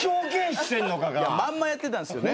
まんまやってたんですよね。